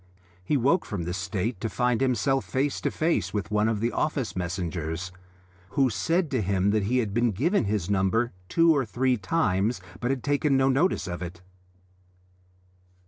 He woke from this state to find himself face to face with one of the office messengers, who said to him that he had been given his number two or three times but had taken no notice of it.